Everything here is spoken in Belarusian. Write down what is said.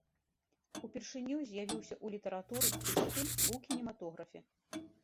Упершыню з'явіўся ў літаратуры, затым у кінематографе.